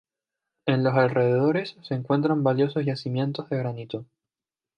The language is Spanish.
En los alrededores, se encuentran valiosos yacimientos de granito.